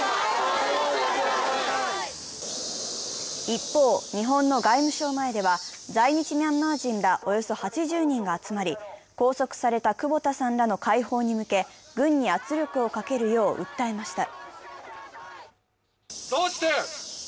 一方、日本の外務省前では、在日ミャンマー人らおよそ８０人が集まり、拘束された久保田さんらの解放に向け、軍に圧力をかけるよう訴えました。